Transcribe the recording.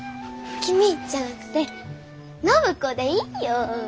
「君」じゃなくて暢子でいいよ。